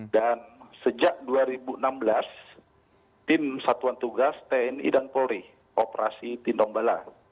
dan sejak dua ribu enam belas tim satuan tugas tni dan polri operasi tino mbala